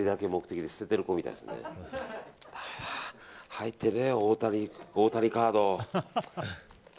入ってねーよ、大谷カード。